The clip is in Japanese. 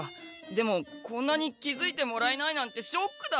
でもこんなに気づいてもらえないなんてショックだ！